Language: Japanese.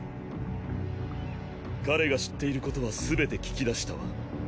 彼が知っていることはすべて聞き出したわ。